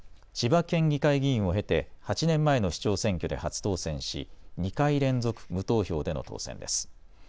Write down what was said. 千葉県議会議員を経て、８年前の市長選挙で初当選し２回連続無投票での当選です。